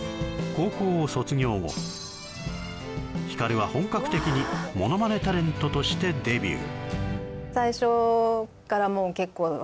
高校を卒業後光は本格的にものまねタレントとしてデビュー